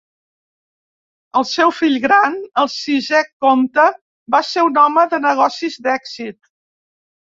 El seu fill gran, el sisè comte, va ser un home de negocis d'èxit.